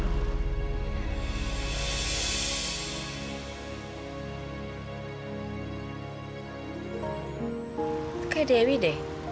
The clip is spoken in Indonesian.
itu kayak dewi de